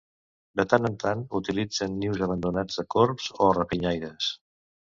De tant en tant utilitzen nius abandonats de corbs o rapinyaires.